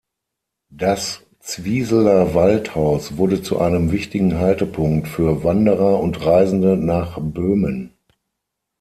Das Zwieseler Waldhaus wurde zu einem wichtigen Haltepunkt für Wanderer und Reisende nach Böhmen.